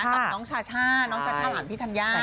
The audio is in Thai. กับน้องชาช่าน้องชาช่าหลานพี่ธัญญา